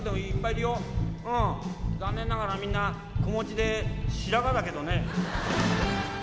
残念ながらみんな子持ちで白髪だけどね」。